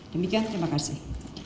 demikian terima kasih